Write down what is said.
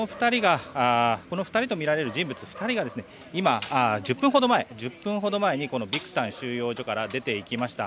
この２人とみられる人物２人が１０分ほど前にビクタン収容所から出て行きました。